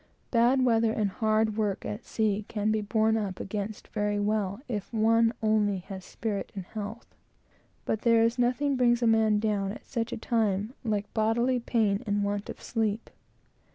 Bad weather and hard work at sea can be borne up against very well, if one only has spirit and health; but there is nothing brings a man down, at such a time, like bodily pain and want of sleep.